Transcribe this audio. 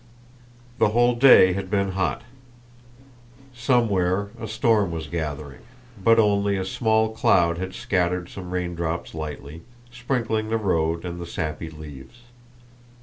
The whole day had been hot. Somewhere a storm was gathering, but only a small cloud had scattered some raindrops lightly, sprinkling the road and the sappy leaves.